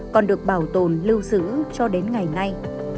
còn được bảo tồn lưu giữ cho đến ngày nay